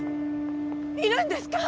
いるんですか？